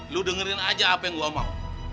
lo dengerin aja apa yang gua mau